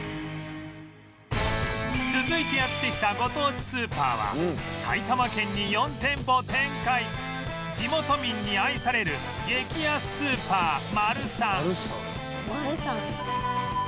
続いてやって来たご当地スーパーは埼玉県に４店舗展開地元民に愛される激安スーパーマルサン